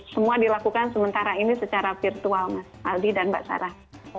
semua dilakukan sementara ini secara virtual mas aldi dan mbak sarah